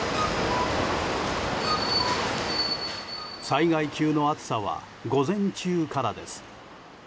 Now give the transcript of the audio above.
災害級の暑さは午前中からです。